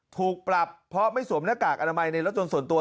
ถูกปรับเพราะไม่สวมหน้ากากอนามัยในรถยนต์ส่วนตัว